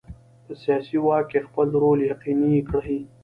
په سیاسي واک کې خپل رول یقیني کړي.